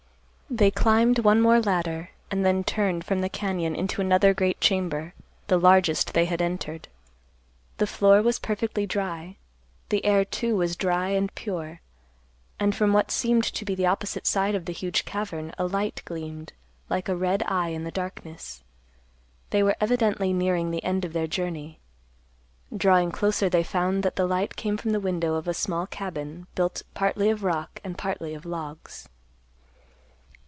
They climbed one more ladder and then turned from the cañon into another great chamber, the largest they had entered. The floor was perfectly dry; the air, too, was dry and pure; and, from what seemed to be the opposite side of the huge cavern, a light gleamed like a red eye in the darkness. They were evidently nearing the end of their journey. Drawing closer they found that the light came from the window of a small cabin built partly of rock and partly of logs.